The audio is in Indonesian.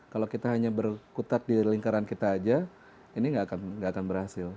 kalau kita hanya berkutat di lingkaran kita saja ini nggak akan berhasil